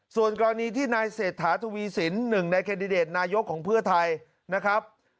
ส่วนกรณีที่นายเศรษฐาทวีสินหนึ่งในแคนดิเดตนายกของเพื่อไทยนะครับ